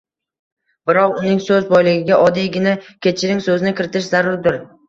Biroq uning so‘z boyligiga oddiygina “kechiring” so‘zini kiritish zarurdir.